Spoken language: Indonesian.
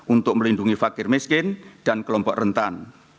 untuk melindungi fakir miskin dan kelompok rentan